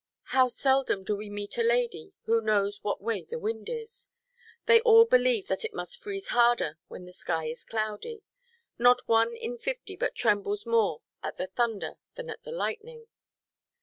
How seldom do we meet a lady who knows what way the wind is! They all believe that it must freeze harder when the sky is cloudy; not one in fifty but trembles more at the thunder than at the lightning.